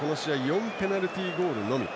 ４ペナルティーゴールのみ。